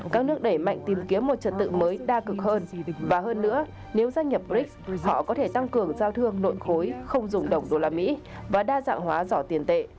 các nước đẩy mạnh tìm kiếm một trật tự mới đa cực hơn và hơn nữa nếu gia nhập brics họ có thể tăng cường giao thương nội khối không dùng đồng đô la mỹ và đa dạng hóa giỏ tiền tệ